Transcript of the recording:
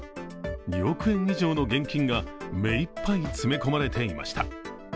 ２億円以上の現金が目いっぱい詰め込まれていました。